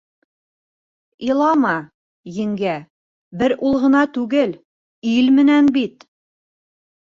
— Илама, еңгә, бер ул ғына түгел, ил менән бит.